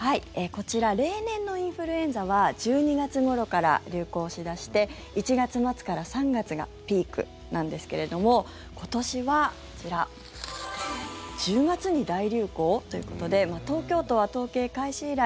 こちら例年のインフルエンザは１２月ごろから流行し出して１月末から３月がピークなんですけれども今年は、こちら１０月に大流行？ということで東京都は統計開始以来